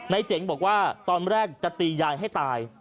เจ๋งบอกว่าตอนแรกจะตียายให้ตาย